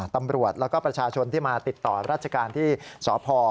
ตำรวจแล้วก็ประชาชนที่มาติดต่อราชการที่สพ